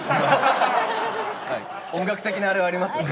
音楽的なあれはありますよね。